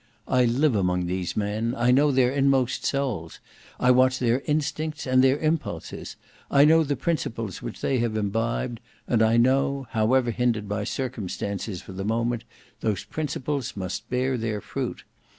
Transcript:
I live among these men; I know their inmost souls; I watch their instincts and their impulses; I know the principles which they have imbibed, and I know, however hindered by circumstances for the moment, those principles must bear their fruit.